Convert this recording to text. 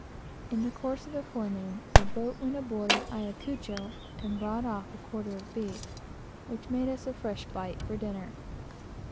In the course of the forenoon, a boat went aboard of the Ayacucho and brought off a quarter of beef, which made us a fresh bite for dinner.